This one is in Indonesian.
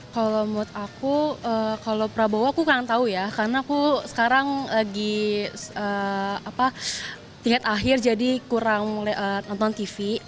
kalau menurut aku kalau prabowo aku kurang tahu ya karena aku sekarang lagi tingkat akhir jadi kurang nonton tv